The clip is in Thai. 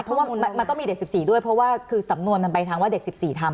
เพราะว่ามันต้องมีเด็ก๑๔ด้วยเพราะว่าคือสำนวนมันไปทางว่าเด็ก๑๔ทำ